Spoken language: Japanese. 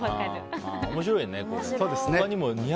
面白いね、これ。